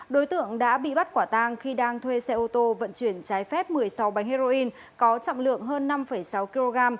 đối tượng đã bị bắt quả tang khi đang thuê xe ô tô vận chuyển trái phép một mươi sáu bánh heroin có trọng lượng hơn năm sáu kg